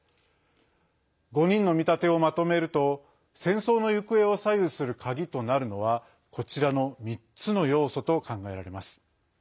５人の見立てをまとめると戦争の行方を左右する鍵となるのはこちらの３つの要素と考えられます。